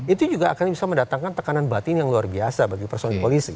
itu juga akan bisa mendatangkan tekanan batin yang luar biasa bagi personil polisi